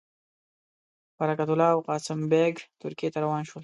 برکت الله او قاسم بېګ ترکیې ته روان شول.